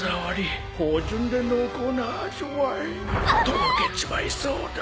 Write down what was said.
とろけちまいそうだ。